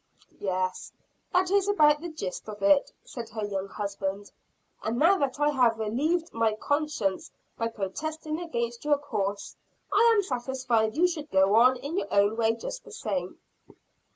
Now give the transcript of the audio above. "Yes, that is about the gist of it," said her young husband. "And now that I have relieved my conscience by protesting against your course, I am satisfied you should go on in your own way just the same."